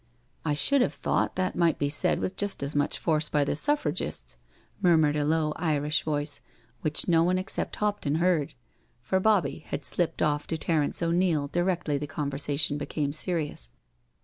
" I should have thought that might be said with just as much force by the Suffragists," murmured a low Irish voice, which no one except Hopton heard, for Bobbie had slipped off to Terence O'Neil directly the conversation became serious.